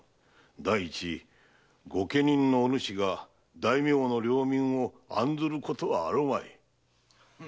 第一御家人のおぬしが大名の領民を案ずることはあるまい。